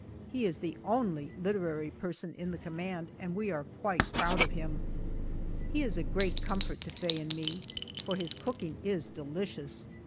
He is the only literary person in the command and we are quite proud of him. He is a great comfort to Faye and me, for his cooking is delicious.